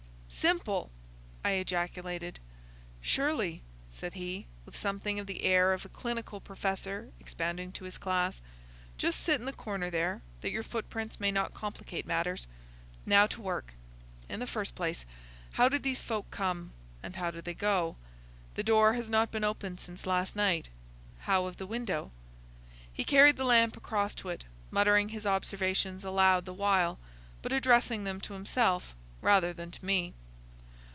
"Simple!" I ejaculated. "Surely," said he, with something of the air of a clinical professor expounding to his class. "Just sit in the corner there, that your footprints may not complicate matters. Now to work! In the first place, how did these folk come, and how did they go? The door has not been opened since last night. How of the window?" He carried the lamp across to it, muttering his observations aloud the while, but addressing them to himself rather than to me.